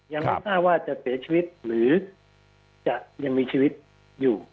ยังไม่ทราบว่าจะเสียชีวิตหรือจะยังมีชีวิตอยู่